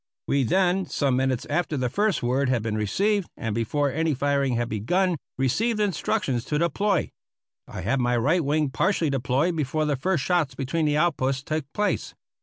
We then, some minutes after the first word had been received, and before any firing had begun, received instructions to deploy. I had my right wing partially deployed before the first shots between the outposts took place.